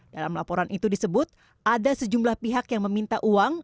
dalam laporan itu disebut ada sejumlah pihak yang meminta uang